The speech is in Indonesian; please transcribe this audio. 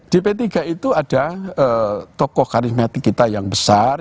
di p tiga itu ada tokoh karimatik kita yang besar